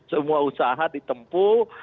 semua usaha ditempuh